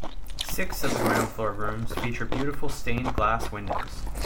Six of the ground floor rooms feature beautiful stained glass windows.